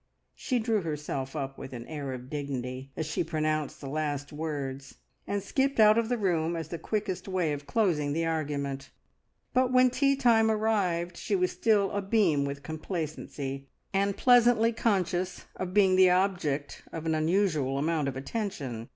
She drew herself up with an air of dignity as she pronounced the last words, and skipped out of the room, as the quickest way of closing the argument; but when tea time arrived she was still abeam with complacency, and pleasantly conscious of being the object of an unusual amount of attention.